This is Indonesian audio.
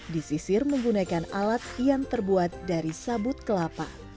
disisir menggunakan alat yang terbuat dari selanjutnya